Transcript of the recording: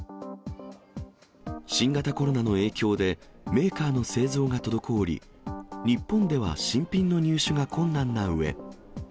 新型コロナの影響で、メーカーの製造が滞り、日本では新品の入手が困難なうえ。